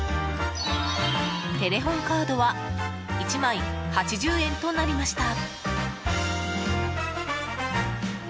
テレホンカードは１枚８０円となりました。